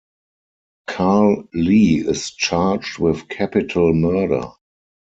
Carl Lee is charged with capital murder.